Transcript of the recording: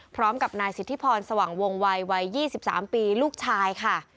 พร้อมกับนายสิทธิพรสว่างวงวัยวัย๒๓ปีลูกชายค่ะ